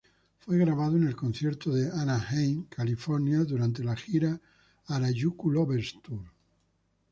Fue grabado en el concierto de Anaheim, California, durante la gira "Harajuku Lovers Tour".